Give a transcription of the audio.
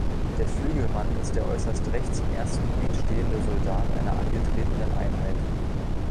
Der Flügelmann ist der äußerst rechts im ersten Glied stehende Soldat einer angetretenen Einheit.